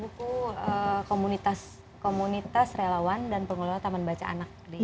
seribu satu buku komunitas relawan dan pengelola taman baca anak di indonesia